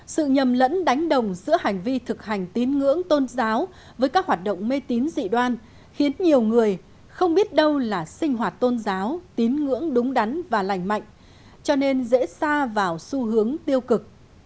sự nhầm lẫn đánh đồng giữa hành vi thực hành tín ngưỡng tôn giáo với các hoạt động mê tín dị đoan khiến nhiều người không biết đâu là sinh hoạt tôn giáo tín ngưỡng đúng đắn và lành mạnh cho nên dễ xa vào xu hướng tiêu cực